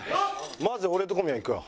まず俺と小宮いくわ。